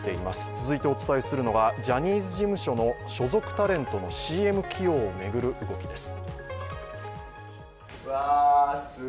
続いてお伝えするのがジャニーズ事務所の所属タレントのＣＭ起用を巡る動きです。